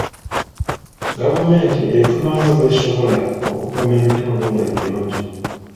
Gavumenti efuba nga bw'esobola okukuuma ebitundu nga biyonjo.